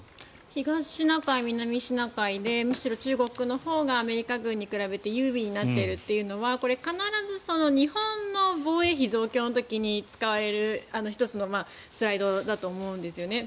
東シナ海、南シナ海でむしろ中国のほうがアメリカ軍に比べて優位になっているというのはこれは必ず日本の防衛費増強の時に使われる、１つのスライドだと思うんですよね。